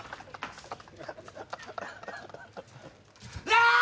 ああ！